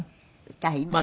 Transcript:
歌います。